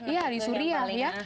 iya di suriah ya